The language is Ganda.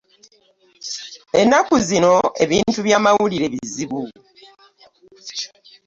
Ennaku zino ebintu by'amawulire bizibu.